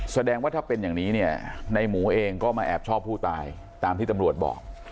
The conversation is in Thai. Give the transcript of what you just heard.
แสดงว่าถ้าเป็นอย่างนี้เนี่ยในหมูเองก็มาแอบชอบผู้ตายตามที่ตำรวจบอก